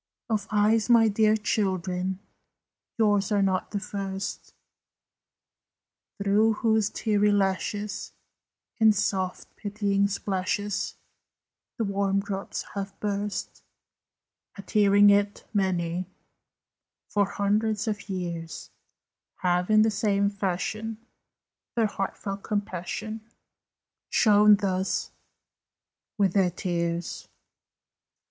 Of eyes, my dear children, Yours are not the first, Through whose teary lashes, In soft, pitying splashes, The warm drops have burst At hearing it. Many, For hundreds of years, Have in the same fashion Their heartfelt compassion Shown thus with their tears!